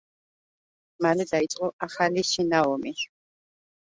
მალე დაიწყო ახალი შინაომი.